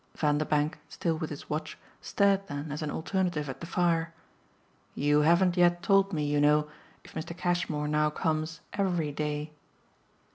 Vanderbank, still with his watch, stared then as an alternative at the fire. "You haven't yet told me you know, if Mr. Cashmore now comes EVERY day."